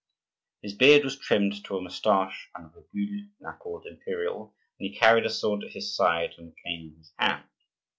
His beard was trimmed to a moustache and virgule (now called imperial) and he carried a sword at his side and a cane in his hand.